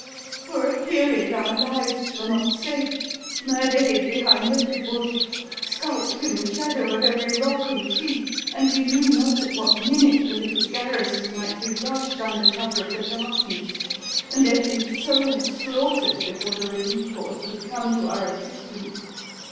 "For a period, our lives were not safe; murder hid behind every bush, skulked in the shadow of every rock and tree, and we knew not at what minute the little garrison might be rushed under cover of the darkness and every soul slaughtered before the relief force could come to our assistance.